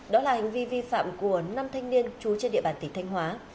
đó là hành vi vi phạm của năm thanh niên trú trên địa bàn tỉnh thanh hóa